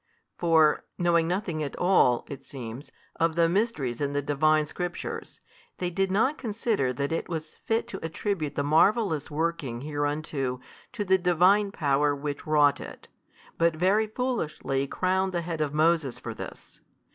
For, knowing nothing at all (it seems) of the Mysteries in the Divine Scriptures, they did not consider that it was fit to attribute the marvellous working hereunto to the Divine power which wrought it, but very foolishly crown the head of Moses for this.